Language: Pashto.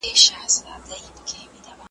موږ باید له تجربو څخه زده کړه وکړو.